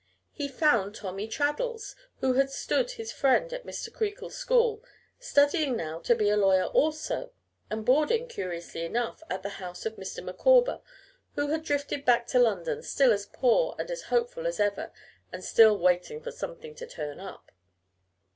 He found Tommy Traddles, who had stood his friend at Mr. Creakle's school, studying now to be a lawyer also, and boarding, curiously enough, at the house of Mr. Micawber, who had drifted back to London, still as poor and as hopeful as ever and still "waiting for something to turn up."